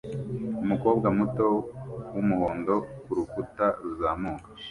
Umukobwa muto wumuhondo kurukuta ruzamuka